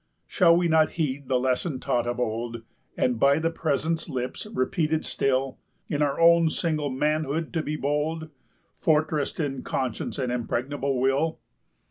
Shall we not heed the lesson taught of old, And by the Present's lips repeated still, In our own single manhood to be bold, 35 Fortressed in conscience and impregnable will?